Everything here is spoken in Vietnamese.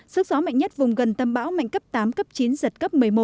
sức gió mạnh nhất vùng gần tâm bão mạnh cấp tám cấp chín giật cấp một mươi một